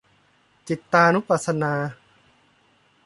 จิตตานุปัสสนา